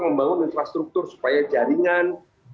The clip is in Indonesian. membangun infrastruktur supaya jaringan